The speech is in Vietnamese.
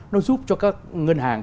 nó giúp cho các ngân hàng